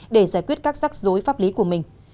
để giải quyết các rắc rối pháp lý của mình